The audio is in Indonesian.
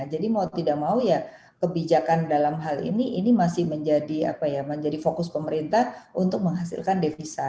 jadi mau tidak mau ya kebijakan dalam hal ini ini masih menjadi fokus pemerintah untuk menghasilkan devisa